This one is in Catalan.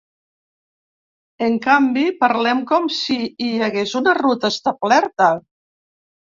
En canvi, parlem com si hi hagués una ruta establerta.